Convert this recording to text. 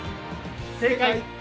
正解！